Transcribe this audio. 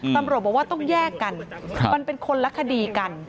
ตำรวจบอกว่าต้องแยกกันมันเป็นคนละคดีกัน